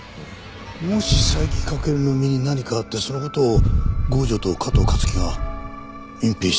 もし斉木翔の身に何かあってその事を郷城と加藤香月が隠蔽していたとすれば。